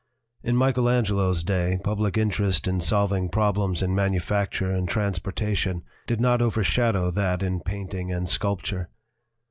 "In Michael Angelo's day public interest in solving problems in manufacture and transporta tion did not overshadow that in painting and sculpture.